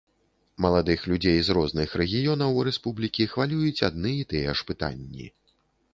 Маладых людзей з розных рэгіёнаў рэспублікі хвалююць адны і тыя ж пытанні.